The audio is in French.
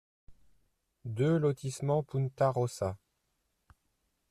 deux lotissement Punta Rossa